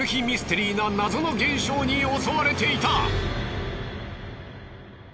ミステリーな謎の現象に襲われていた！